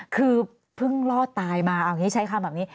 คือเพิ่งรอดตายมาใช้คำแบบนี้